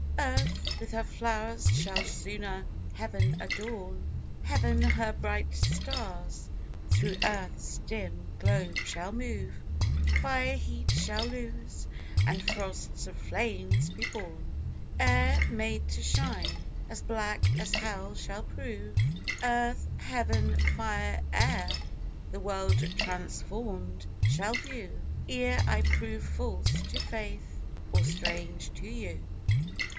Earth with her flowers shall sooner heaven adorn; Heaven her bright stars through earth's dim globe shall move; Fire heat shall lose, and frosts of flames be born; Air, made to shine, as black as hell shall prove: Earth, heaven, fire, air, the world transformed shall view, Ere I prove false to faith, or strange to you.